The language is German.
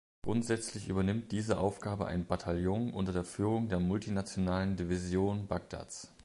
Grundsätzlich übernimmt diese Aufgabe ein Bataillon unter der Führung der multinationalen Division Bagdads.